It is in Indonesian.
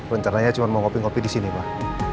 rencananya cuma mau kopi ngopi di sini pak